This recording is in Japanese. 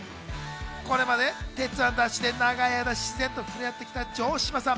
これまで『鉄腕！ＤＡＳＨ！！』で長い間、自然と触れ合ってきた城島さん。